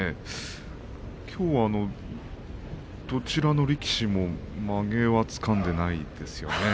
きょうはどちらの力士もまげをつかんでいませんよね。